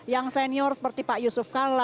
yang senior seperti pak yusuf kala